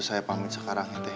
saya pamit sekarang ya teh